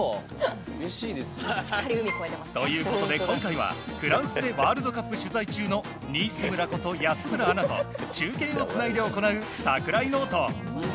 もちろん！ということで今回はフランスでワールドカップ取材中のニース村こと安村アナと中継をつないで行う櫻井ノート。